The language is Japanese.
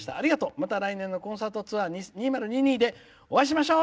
また来年のコンサートツアー２０２２でお会いしましょう！」